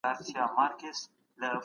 افغان ماشومان د وینا بشپړه ازادي نه لري.